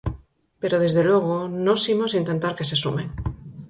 Pero, desde logo, nós imos intentar que se sumen.